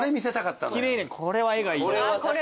これは絵がいい。